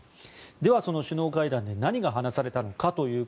では、その首脳会談で何が話されたのか。